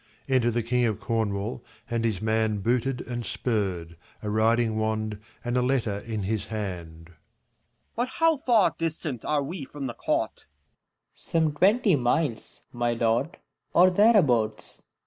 Enter the king of Cornwall and his man booted and spurred, a riding wand and a letter in his hand. Corn. But how far distant are we from the court ? Serv . Some twenty miles, my lord, or thereabouts.